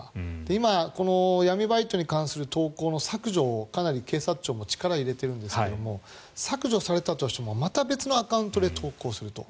今、闇バイトに関する投稿の削除をかなり警察庁も力を入れているんですが削除されたとしてもまた別のアカウントで投稿すると。